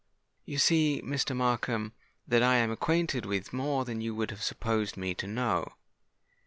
You see, Mr. Markham, that I am acquainted with more than you would have supposed me to know.